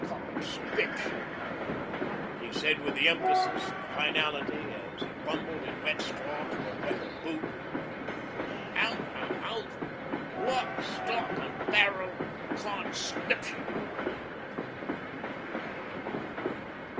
Conscription,' he said with the emphasis of finality as he fumbled in wet straw for a wetter boot, 'out an' out, lock, stock, 'n barrel Conscription.'